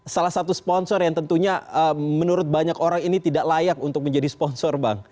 salah satu sponsor yang tentunya menurut banyak orang ini tidak layak untuk menjadi sponsor bang